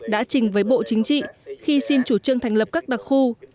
đã trình với bộ chính trị khi xin chủ trương thành lập các đặc khu